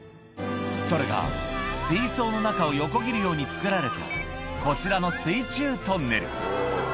それが、水槽の中を横切るように作られた、こちらの水中トンネル。